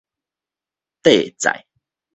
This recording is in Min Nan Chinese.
硩載